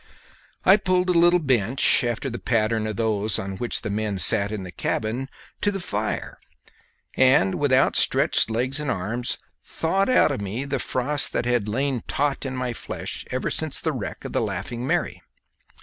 I pulled a little bench, after the pattern of those on which the men sat in the cabin, to the fire, and, with outstretched legs and arms, thawed out of me the frost that had lain taut in my flesh ever since the wreck of the Laughing Mary.